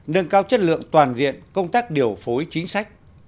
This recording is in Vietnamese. nâng cao chất lượng toàn diện công tác điều phối chính sách